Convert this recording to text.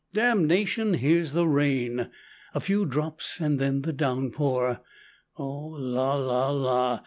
"Damnation. Here's the rain!" A few drops and then the downpour. Oh, la, la, la!